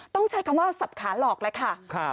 ต้องใช้คำว่าสับขาหลอกเลยค่ะ